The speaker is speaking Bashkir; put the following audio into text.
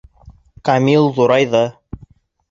Камил ҙурайҙы.